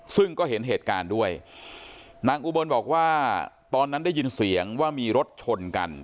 ซึ่งก็เห็นเหตุการณ์ด้วยนางอุบลบอกว่าตอนนั้นได้ยินเสียงว่ามีรถชนกัน